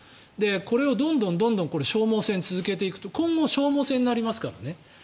これを、どんどん消耗戦を続けていくと今後は消耗戦になりますからね。